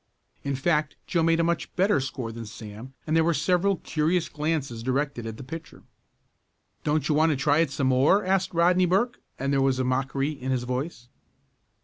In fact Joe made a much better score than Sam, and there were several curious glances directed at the pitcher. "Don't you want to try it some more?" asked Rodney Burke, and there was mockery in his voice.